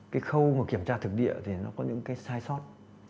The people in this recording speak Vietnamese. cái khâu mà kiểm tra thực địa thì nó có những cái sai sót